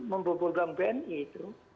membobol bank bni itu